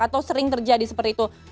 atau sering terjadi seperti itu